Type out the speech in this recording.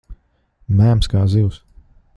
Mēms kā zivs.